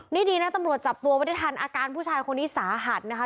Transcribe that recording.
นี่ดีนะตำรวจจับตัวไว้ได้ทันอาการผู้ชายคนนี้สาหัสนะคะ